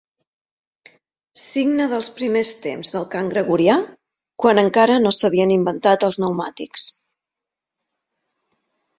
Signe dels primers temps del cant gregorià, quan encara no s'havien inventat els pneumàtics.